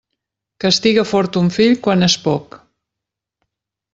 Castiga fort ton fill quan és poc.